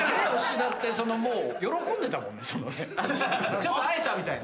・ちょっと会えたみたいな。